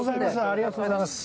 ありがとうございます。